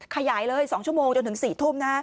ขยายเลยสองชั่วโมงจนถึงสี่ทุ่ม